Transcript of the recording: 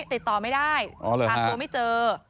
ติดต่อไม่ได้ตามตัวไม่เจอ